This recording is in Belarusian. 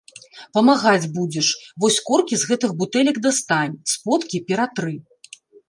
Памагаць будзеш, вось коркі з гэтых бутэлек дастань, сподкі ператры.